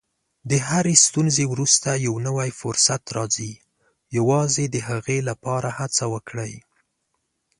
د هرې ستونزې وروسته یو نوی فرصت راځي، یوازې د هغې لپاره هڅه وکړئ.